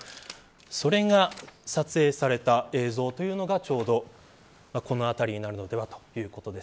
それが撮影された映像というのがちょうど、この辺りになるのではということです。